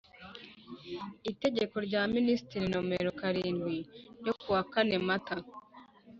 itegeko rya Minisitiri nomero karindwi ryo ku wa kane mata